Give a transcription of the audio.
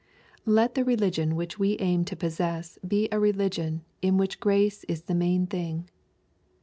Let the religion which we aim to possess be a religion in which grace is the main thing.